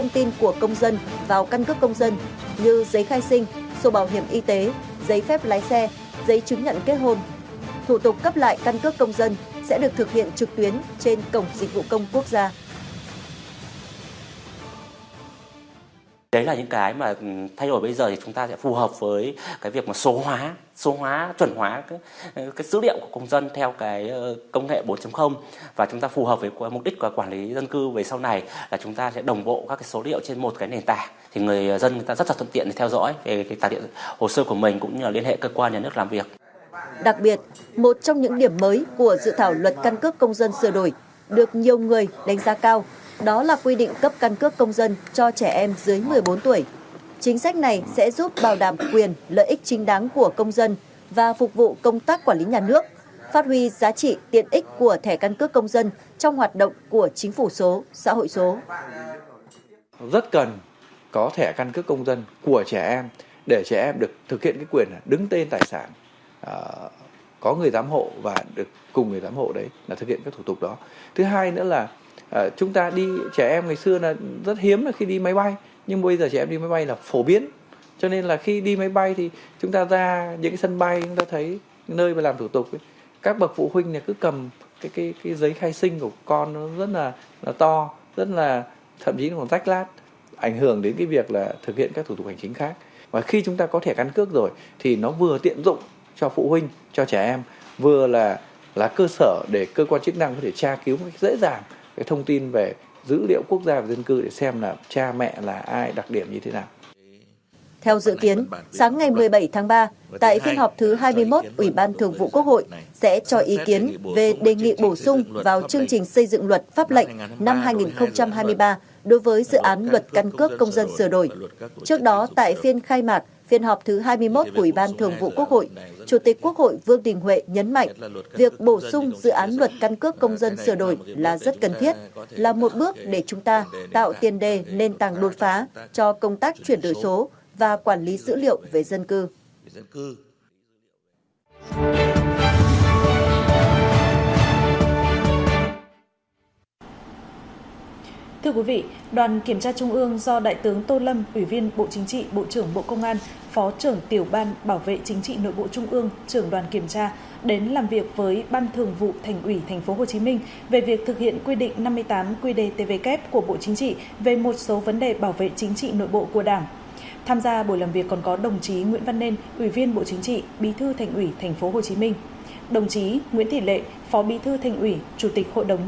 trong đó tại phiên khai mạc phiên họp thứ hai mươi một của ủy ban thường vụ quốc hội chủ tịch quốc hội vương đình huệ nhấn mạnh việc bổ sung dự án luật căn cước công dân sửa đổi là rất cần thiết là một bước để chúng ta tạo tiền đề lên tàng đột phá cho công tác chuyển đổi là rất cần thiết là một bước để chúng ta tạo tiền đề lên tàng đột phá cho công tác chuyển đổi là rất cần thiết là một bước để chúng ta tạo tiền đề lên tàng đột phá cho công tác chuyển đổi là rất cần thiết là một bước để chúng ta tạo tiền đề lên tàng đột phá cho công tác chuyển đổi là rất cần thiết là một bước để chúng ta tạo ti